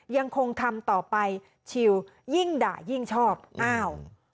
ยังคงทำต่อไปชิวยิ่งด่ายิ่งชอบอ้าว